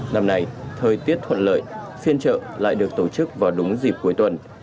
năm nay thời tiết thuận lợi phiên chợ lại được tổ chức vào đúng dịp cuối tuần